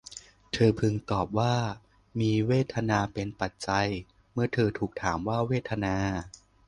เธอพึงตอบว่า มีเวทนาเป็นปัจจัย เมื่อเธอถูกถามว่าเวทนา